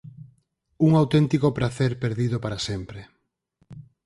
Un auténtico pracer perdido para sempre.